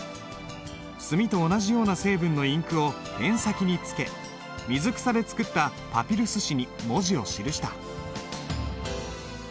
墨と同じような成分のインクをペン先につけ水草で作ったパピルス紙に文字を記した。